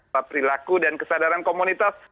perilaku dan kesadaran komunitas